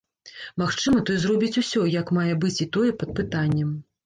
Магчыма, той зробіць усё, як мае быць, і тое, пад пытаннем.